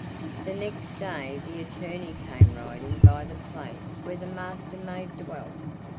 The next day the attorney came riding by the place where the Master maid dwelt.